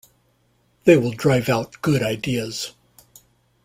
They will drive out good ideas.